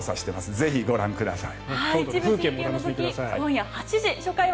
ぜひご覧ください。